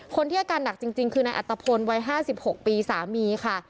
คนที่อาการหนักจริงคือนายอัตภพลวัย๕๖ปีสามีค่ะ